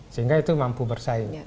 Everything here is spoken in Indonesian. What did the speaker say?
sehingga itu mampu bersaing